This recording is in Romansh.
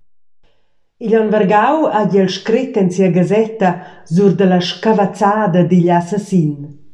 Igl onn vargau hagi el scret en sia gasetta sur dalla scavazzada digl assassin.